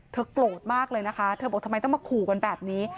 โกรธมากเลยนะคะเธอบอกทำไมต้องมาขู่กันแบบนี้